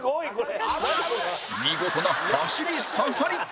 見事な走り刺さり